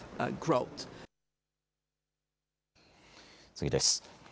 次です。